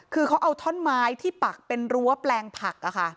คือเขาเอาท่อนไม้ที่ปักเป็นรั้วแปลงผัก